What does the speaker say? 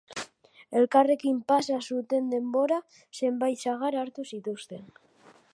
Elkarrekin pasa zuten denboran, zenbait sagar hartu zituzten.